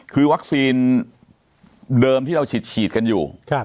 คือวัคซีนเดิมที่เราฉีดกันอยู่